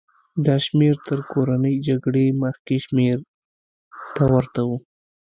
دا شمېر تر کورنۍ جګړې مخکې شمېرې ته ورته و.